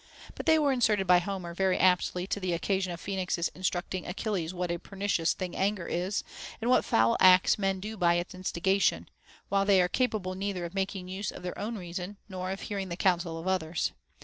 But they were inserted by Homer very aptly to the occasion of Phoenix's instructing Achilles what a pernicious thing anger is, and what foul acts men do by its instigation, while they are capable neither of making use of their own reason nor of hearing the counsel of others.